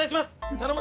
頼む！